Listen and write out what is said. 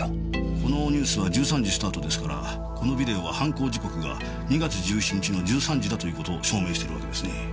このニュースは１３時スタートですからこのビデオは犯行時刻が２月１７日の１３時だという事を証明してるわけですね。